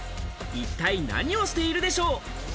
一体何をしているでしょう。